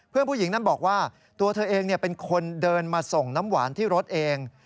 ผู้หญิงนั้นบอกว่าตัวเธอเองเป็นคนเดินมาส่งน้ำหวานที่รถเอง